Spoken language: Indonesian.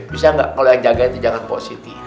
bisa gak kalau yang jaga itu jaga pak siti